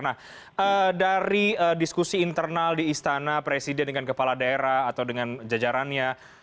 nah dari diskusi internal di istana presiden dengan kepala daerah atau dengan jajarannya